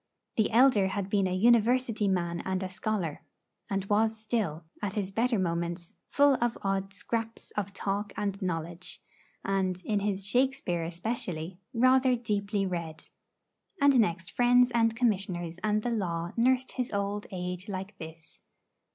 The elder had been a University man and a scholar, and was still, at his better moments, full of odd scraps of talk and knowledge, and, in his Shakespeare especially, rather deeply read. And next friends and Commissioners and the law nursed his old age like this.